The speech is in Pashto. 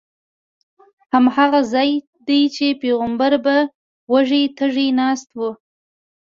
هماغه ځای دی چې پیغمبر به وږی تږی ناست و.